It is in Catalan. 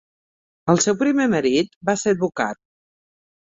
El seu primer marit va ser advocat.